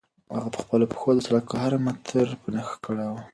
هغه په خپلو پښو د سړک هر متر په نښه کړی و.